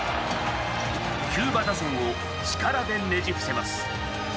キューバ打線を力でねじ伏せます。